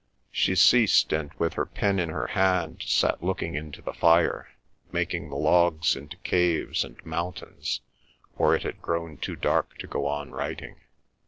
..." She ceased, and with her pen in her hand sat looking into the fire, making the logs into caves and mountains, for it had grown too dark to go on writing.